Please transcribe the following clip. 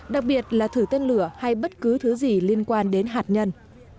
đặc biệt là thử tên lửa hay bất cứ thứ gì liên quan đến hạt nhân